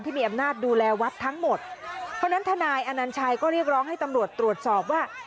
มีอำนาจดูแลวัดทั้งหมดเพราะฉะนั้นทนายอนัญชัยก็เรียกร้องให้ตำรวจตรวจสอบว่า